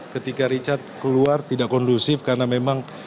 ketika richard keluar tidak kondusif karena memang